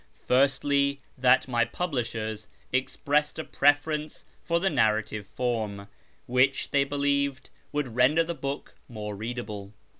First! i/, that my publishers expressed a preference for the narrative form, which, they believed, would render the book more readable.